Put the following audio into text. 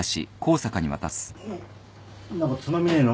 何かつまみねえの？